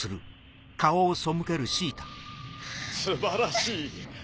すばらしい！